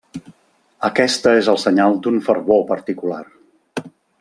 Aquesta és el senyal d'un fervor particular.